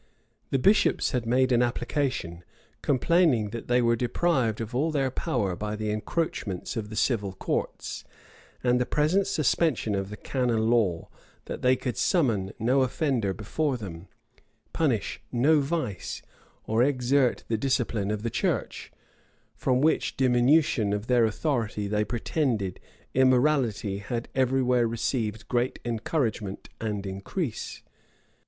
The bishops had made an application, complaining that they were deprived of all their power by the encroachments of the civil courts, and the present suspension of the canon law; that they could summon no offender before them, punish no vice, or exert the discipline of the church; from which diminution of their authority, they pretended, immorality had every where received great encouragement and increase.